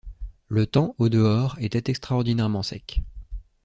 Le temps, au-dehors, était extraordinairement sec.